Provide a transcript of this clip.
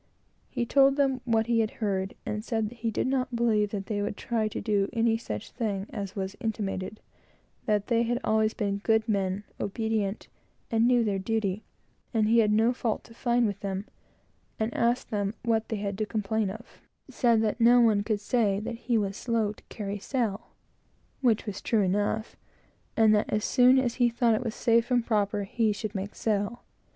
He told them what he had heard, and said that he did not believe that they would try to do any such thing as was intimated; that they had always been good men, obedient, and knew their duty, and he had no fault to find with them; and asked them what they had to complain of said that no one could say that he was slow to carry sail, (which was true enough;) and that, as soon as he thought it was safe and proper, he should make sail.